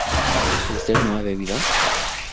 ¿usted ha bebido?